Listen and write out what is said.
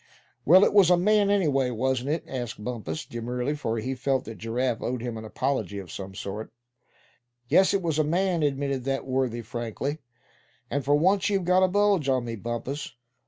"Well, it was a man, anyway, wasn't it?" asked Bumpus, demurely; for he felt that Giraffe owed him an apology of some sort. "Yes, it was a man," admitted that worthy, frankly; "and for once you've got a bulge on me, Bumpus.